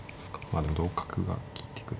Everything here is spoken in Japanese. あでも同角が利いてくる。